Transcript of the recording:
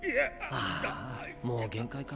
あぁあもう限界かなぁ。